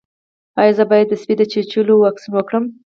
ایا زه باید د سپي د چیچلو واکسین وکړم؟